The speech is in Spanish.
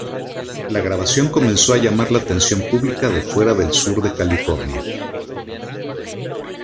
La grabación comenzó a llamar la atención pública de fuera del sur de California.